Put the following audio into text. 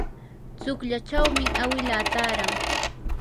tsukllachawmi awilaa taaran.